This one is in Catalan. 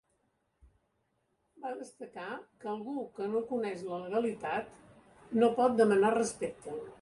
Va destacar que ‘algú que no coneix la legalitat no pot demanar respecte’.